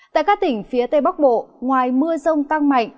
tại các tỉnh phía tây bắc bộ ngoài mưa rông tăng mạnh